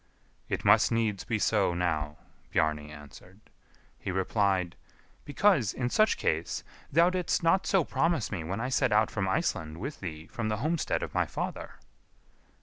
"It must needs be so now," Bjarni answered. He replied, "Because, in such case, thou didst not so promise me when I set out from Iceland with thee from the homestead of my father."